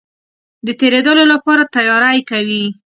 د تېرېدلو لپاره تیاری کوي.